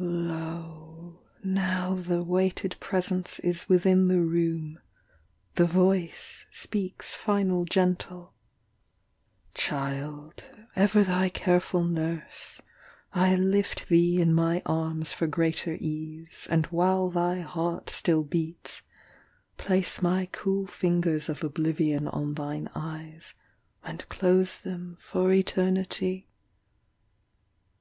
Lo, now The waited presence is Within the room; the voice Speaks final gentle: "Child, Ever thy careful nurse, I lift thee in my arms For greater ease and while Thy heart still beats, place my 27 Cool fingers of oblivion on Thine eyes and close them for Eternity.